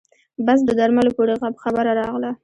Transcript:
بس د درملو پورې خبره راغله.